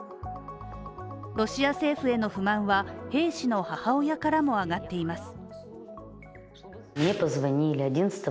ロシア政府への不満は兵士の母親からも上がっています。